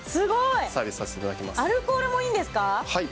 アルコールもいいんですか。